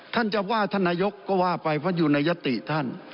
ท่านจะว่าท่านนายกก็ว่าไปเพราะอยู่ในยติท่าน